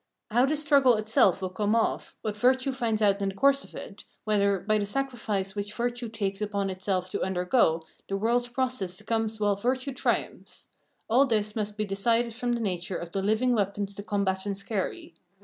How this struggle itself will come off, what virtue finds out in the course of it, whether, by the sacrifice which virtue takes upon itself to undergo, the world's pro cess succumbs while virtue triumphs — all this must be decided from the nature of the hving weapons the combatants carry.